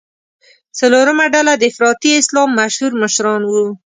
څلورمه ډله د افراطي اسلام مشهور مشران وو.